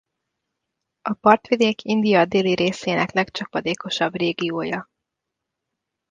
A partvidék India déli részének legcsapadékosabb régiója.